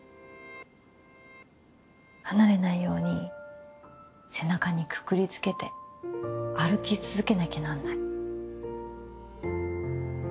離れないように背中にくくりつけて歩き続けなきゃなんない。